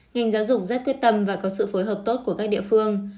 ngành giáo dục rất quyết tâm và có sự phối hợp tốt của các địa phương